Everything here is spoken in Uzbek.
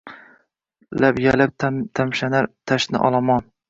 Lab yalab tamshanar tashna olomon.